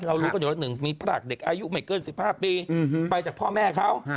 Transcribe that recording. เรารู้กันอยู่ว่า๑มีประหลาดเด็กอายุไม่เกิน๑๕ปีไปจากพ่อแม่เขา